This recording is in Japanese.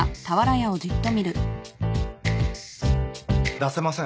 出せません。